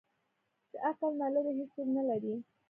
ـ چې عقل نه لري هېڅ نه لري.